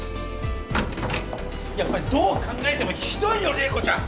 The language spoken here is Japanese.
・やっぱりどう考えてもひどいよ麗子ちゃん！